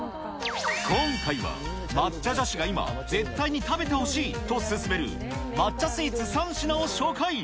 今回は、抹茶女子が今、絶対に食べてほしい！と勧める抹茶スイーツ３品を紹介。